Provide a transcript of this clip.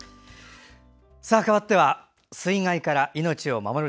かわっては「水害から命を守る」。